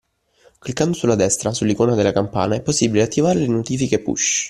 Cliccando sulla destra, sull’icona della campana, è possibile attivare le notifiche push